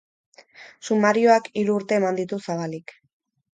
Sumarioak hiru urte eman ditu zabalik.